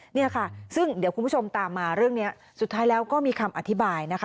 เนี่ยค่ะซึ่งเดี๋ยวคุณผู้ชมตามมาเรื่องนี้สุดท้ายแล้วก็มีคำอธิบายนะคะ